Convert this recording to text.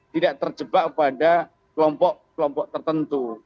tidak terjebak pada kelompok kelompok tertentu